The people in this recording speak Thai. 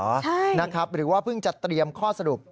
ใช่นะครับหรือว่าเพิ่งจะเตรียมข้อสรุป